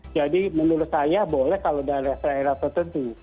jadi menurut saya boleh kalau dari daerah tertentu